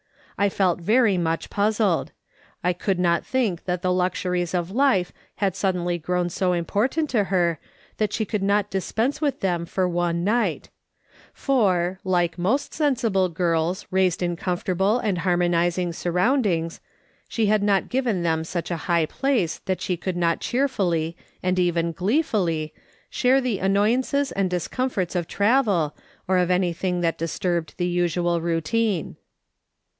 I felt very much puzzled. I could not think that the luxuries of life had suddenly grown so important to "PRINCIPLES IS INCONVENIENT THINGS." 245 her that she could not dispense with them for one night ; for, like most sensible girls reared in com fortable and harmonising surroundings, she had not given them such a high place that she could not cheerfully, and even gleefully, share the annoyances and discomforts of travel, or of anything that dis turbed the usual routine.